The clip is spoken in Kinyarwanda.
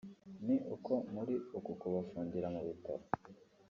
ni uko muri uku kubafungira mu bitaro